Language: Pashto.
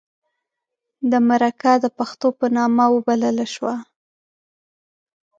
د مرکه د پښتو په نامه وبلله شوه.